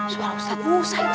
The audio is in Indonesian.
suara ustadz musa itu